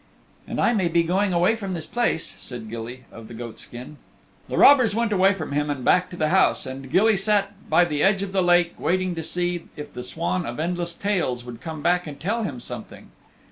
"And I may be going away from this place," said Gilly of the Goatskin. The robbers went away from him and back to the house and Gilly sat by the edge of the lake waiting to see if the Swan of Endless Tales would come back and tell him something.